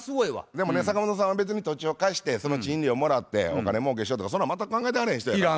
でもね坂本さんは別に土地を貸してその賃料をもらってお金もうけしようとかそんなん全く考えてはれへん人やから。